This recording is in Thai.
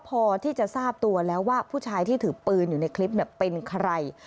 พอที่จะทราบตัวแล้วว่าผู้ชายที่ถือปืนอยู่ในคลิปเป็นใคร